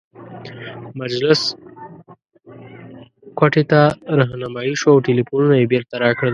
مجلس کوټې ته رهنمايي شوو او ټلفونونه یې بیرته راکړل.